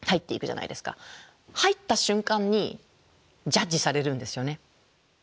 入った瞬間にジャッジされるんですよね。